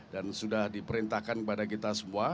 dan sudah diperintahkan kepada kita semua